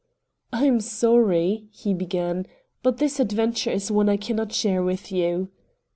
"I am sorry," he began, "but this adventure is one I cannot share with you."